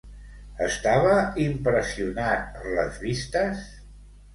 Estava impressionat per les vistes?